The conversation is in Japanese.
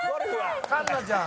環奈ちゃん